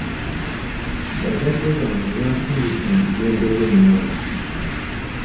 Bazadde bange bansindise nzije mbeere naawe.